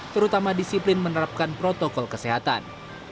terutama disiplin menerapkan protokol kesehatan